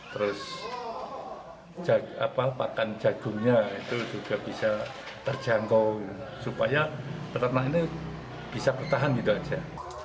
terus pakan jagungnya itu juga bisa terjangkau supaya peternak ini bisa bertahan gitu aja